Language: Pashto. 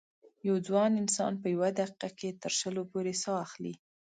یو ځوان انسان په یوه دقیقه کې تر شلو پورې سا اخلي.